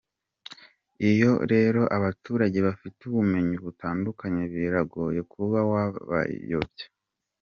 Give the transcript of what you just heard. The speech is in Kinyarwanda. iyo rero abaturage bafite ubumenyi butandukanye biragoye kuba wabayobya.”